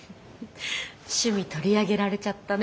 趣味取り上げられちゃったね。